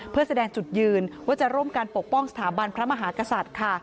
เพื่อแสดงจุดยืนว่าจะร่วมกันปกป้องสถาบันพระมหากษัตริย์ค่ะ